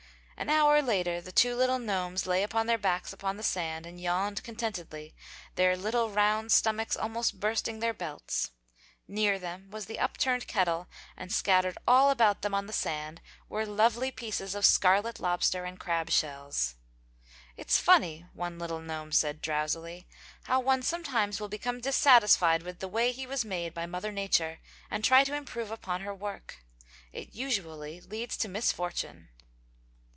An hour later the two little gnomes lay upon their backs upon the sand and yawned contentedly, their little round stomachs almost bursting their belts. Near them was the upturned kettle, and scattered all about them on the sand were lovely pieces of scarlet lobster and crab shells. "It's funny," one little gnome said drowsily, "how one sometimes will become dissatisfied with the way he was made by Mother Nature and try to improve upon her work! It usually leads to misfortune."